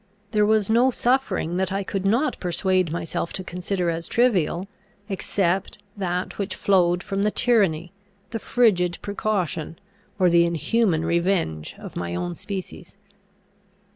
There was no suffering that I could not persuade myself to consider as trivial, except that which flowed from the tyranny, the frigid precaution, or the inhuman revenge of my own species.